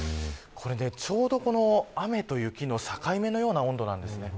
ちょうど雨と雪の境目のような温度なんですね。